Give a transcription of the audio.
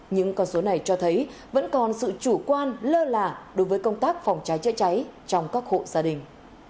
nhưng con số này cho thấy vẫn còn sự chủ quan lơ là đối với công tác phòng cháy chữa cháy trong các hộ gia đình